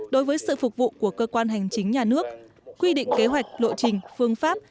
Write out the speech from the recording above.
đối với sự phục vụ của cơ quan hành chính nhà nước quy định kế hoạch lộ trình phương pháp